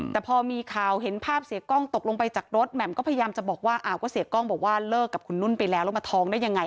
แต่พอมีข่าวเห็นภาพเสียกล้องตกลงไปจากรถแหม่มก็พยายามจะบอกว่าอ้าวก็เสียกล้องบอกว่าเลิกกับคุณนุ่นไปแล้วแล้วมาท้องได้ยังไง